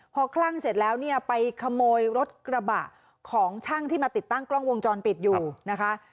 พอคลั่งเสร็จแล้วเนี่ยไปขโมยรถกระบะของช่างที่มาติดตั้งกล้องวงจรปิดอยู่นะคะ